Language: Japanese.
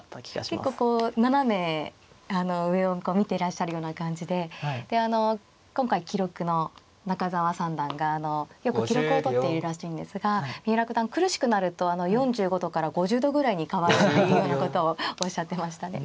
結構こう斜め上を見ていらっしゃるような感じで今回記録の中沢三段がよく記録をとっているらしいんですが三浦九段苦しくなると４５度から５０度ぐらいに変わるというようなことをおっしゃってましたね。